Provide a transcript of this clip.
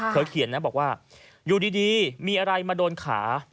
เขียนนะบอกว่าอยู่ดีมีอะไรมาโดนขา